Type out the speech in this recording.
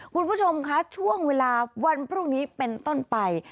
คุณผู้ชมคะช่วงเวลาวันพรุ่งนี้เป็นต้นไป